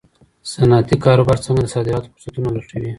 صنعتي کاروبار څنګه د صادراتو فرصتونه لټوي؟